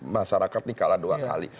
masyarakat ini kalah dua kali